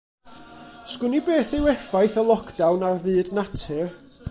'Sgwn i beth yw effaith y lockdown ar fyd natur?